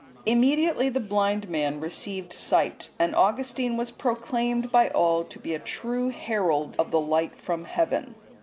Immediately the blind man received sight, and Augustine was proclaimed by all to be a true herald of the light from Heaven.